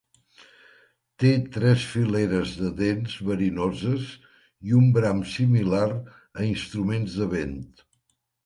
Té tres fileres de dents verinoses i un bram similar a instruments de vent.